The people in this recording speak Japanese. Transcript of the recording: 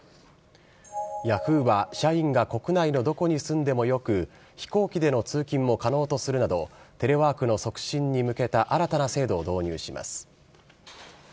ヤフーは社員が国内のどこに住んでもよく、飛行機での通勤も可能とするなど、テレワークの促進に向けた新たな制度を導入します。